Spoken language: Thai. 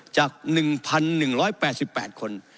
จาก๑๑๘๘คน